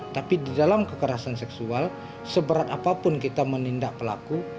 tapi di dalam kekerasan seksual seberat apapun kita menindak pelaku